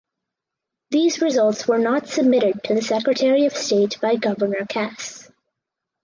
These results were not submitted to the secretary of state by Governor Cass.